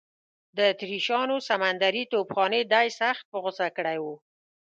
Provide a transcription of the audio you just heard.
د اتریشیانو سمندري توپخانې دی سخت په غوسه کړی و.